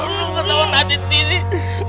lupa tau nanti titik